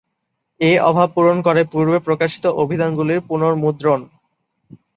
এ অভাব পূরণ করে পূর্বে প্রকাশিত অভিধানগুলির পুনর্মুদ্রণ।